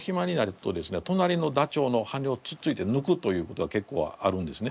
となりのダチョウの羽根をつっついてぬくということが結構あるんですね。